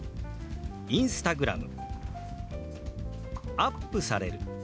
「アップされる」。